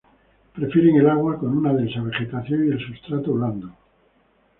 Prefieren el agua con una densa vegetación y el sustrato blando.